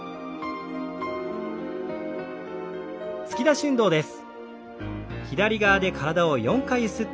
突き出し運動です。